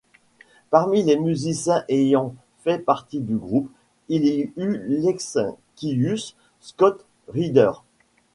Parmi les musiciens ayant fait partie du groupe, il y eut l'ex-Kyuss Scott Reeder.